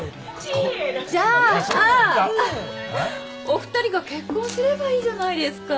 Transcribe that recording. お二人が結婚すればいいじゃないですか。